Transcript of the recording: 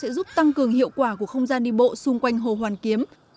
cột mốc km số sẽ giúp tăng cường hiệu quả của không gian đi bộ xung quanh hồ hoàn kiếm